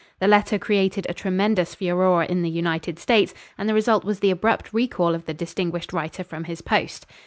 The letter created a tremendous furor in the United States, and the result was the abrupt recall of the distinguished writer from his post.